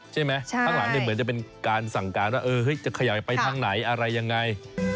ใช่ไหมข้างหลังเหมือนจะเป็นการสั่งการว่าจะขยายไปทางไหนอะไรยังไง